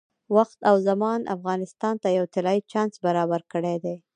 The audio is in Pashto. وخت او زمان افغانستان ته یو طلایي چانس برابر کړی دی.